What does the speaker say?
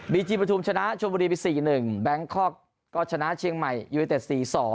บีจีประธุมชนะชวนบุรีปี๔๑แบงค์คอก็ชนะเชียงใหม่ยูเอเตส๔๒